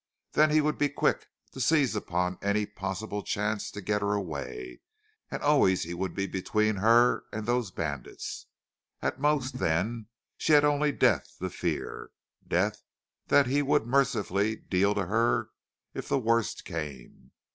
Then he would be quick to seize upon any possible chance to get her away; and always he would be between her and those bandits. At most, then, she had only death to fear death that he would mercifully deal to her if the worst came.